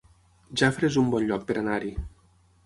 Jafre es un bon lloc per anar-hi